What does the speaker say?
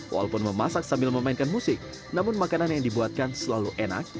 walaupun memasak sambil memainkan musik namun makanan yang dibuatkan selalu enak